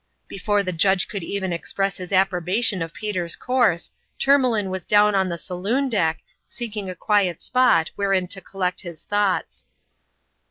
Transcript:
Before the Judge could even express his approbation of Peter's course, Tourmalin was Paifc in l)is oum <oin. 157 down on the saloon deck seeking a quiet spot wherein to collect his thoughts.